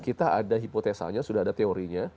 kita ada hipotesanya sudah ada teorinya